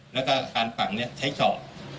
แล้วก็การฝังใช้เจาะ